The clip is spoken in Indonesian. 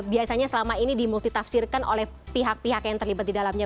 biasanya selama ini dimultitafsirkan oleh pihak pihak yang terlibat di dalamnya